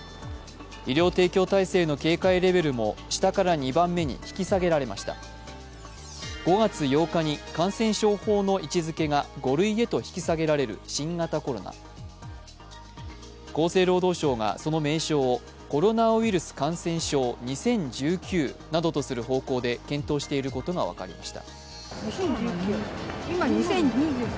医療提供体制の警戒レベルも下から２番目に引き下げられました５月８日に感染者法の位置づけが５類へと引き下げられる新型コロナ厚生労働省がその名称をコロナウイルス感染症２０１９などとする方向で検討していることが分かりました。